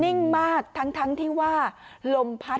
หญิงบอกว่าจะเป็นพี่ปวกหญิงบอกว่าจะเป็นพี่ปวก